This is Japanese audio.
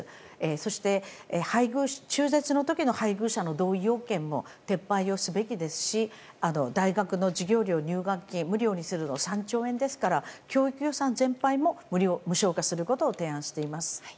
そして、中絶の時の配偶者の同意要件も撤廃するべきですし大学の授業料入学金、無料にするの３億円ですから教育予算全般も無償化することを提案しています。